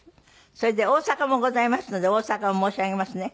それで大阪もございますので大阪も申し上げますね。